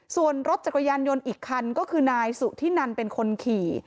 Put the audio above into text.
ส่วนรถจักรยานยนต์อีกคันก็คือนายสุธินันเป็นคนขี่